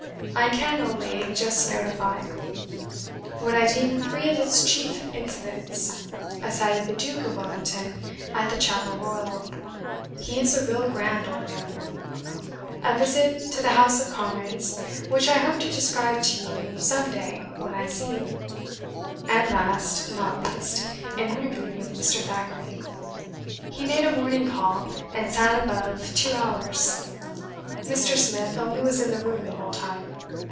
I can only just notify. what I deem three of its chief incidents: a sight of the Duke of Wellington at the Chapel Royal (he is a real grand old man), a visit to the House of Commons (which I hope to describe to you some day when I see you), and last, not least, an interview with Mr. Thackeray. He made a morning call, and sat above two hours. Mr. Smith only was in the room the whole time.